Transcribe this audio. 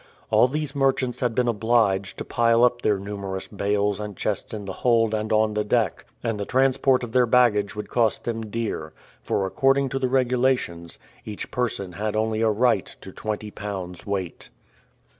All these merchants had been obliged to pile up their numerous bales and chests in the hold and on the deck; and the transport of their baggage would cost them dear, for, according to the regulations, each person had only a right to twenty pounds' weight.